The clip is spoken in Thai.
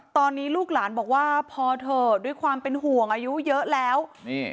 ตอนนี้ลูกหลานบอกว่าพอเถอะด้วยความเป็นห่วงอายุเยอะแล้วนี่